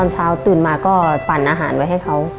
เช้าตื่นมาก็ปั่นอาหารไว้ให้เขา